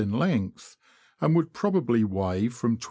in length, and would probably weigh from 281b.